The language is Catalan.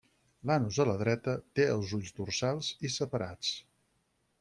L'anus a la dreta, té els ulls dorsals i separats.